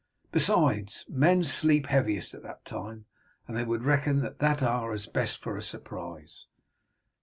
Besides, men sleep heaviest at that time, and they would reckon that hour as best for a surprise."